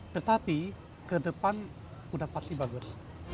tetapi ke depan sudah pasti bagus